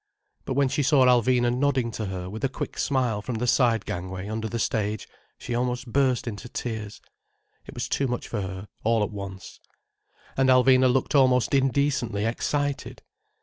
But when she saw Alvina nodding to her with a quick smile from the side gangway under the stage, she almost burst into tears. It was too much for her, all at once. And Alvina looked almost indecently excited.